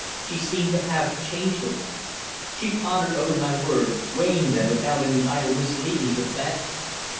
She seemed to have changed of late. She pondered over my words, weighing them without any idle misleadings of fancy.